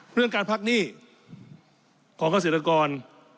เรื่องการพักหนี้ของเกษตรกร